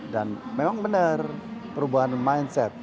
dan memang benar perubahan mindset